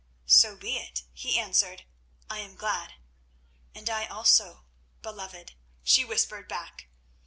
"So be it," he answered; "I am glad." "And I also, beloved," she whispered back.